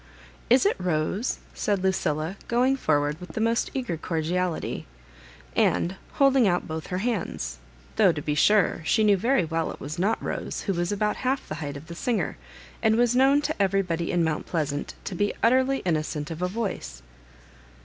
"Is it Rose?" said Lucilla, go ing forward with the most eager cordiality, and holding out both her hands; though, to be sure, she knew veiy well it was not Rose, who was about half the height of the singer, and was known to everybody m Mount Plsassiit to be utterly innocent of a vY>ioe.